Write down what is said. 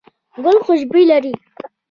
ګل خوشبو لري